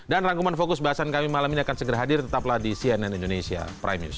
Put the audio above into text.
dan rangkuman fokus bahasan kami malam ini akan segera hadir tetaplah di cnn indonesia prime news